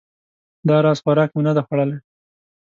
دا راز خوراک مې نه ده خوړلی